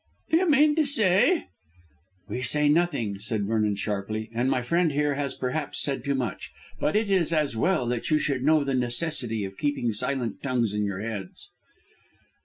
"Do you mean to say " "We say nothing," said Vernon sharply, "and my friend here has perhaps said too much. But it is as well that you should know the necessity of keeping silent tongues in your heads."